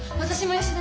吉田！